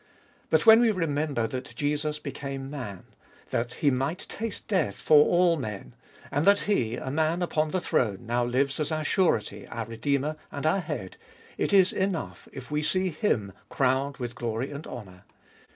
But when we remember that Jesus became Man, that He might taste death for all men, and that He, a Man upon the throne, now lives as our Surety, our Redeemer, and our Head, it is enough if we see Him crowned with glory and honour.